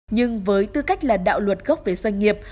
nhưng với tư cách là đạo luật gốc về doanh nghiệp